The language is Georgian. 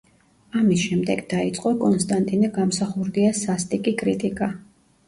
ამის შემდეგ დაიწყო კონსტანტინე გამსახურდიას სასტიკი კრიტიკა.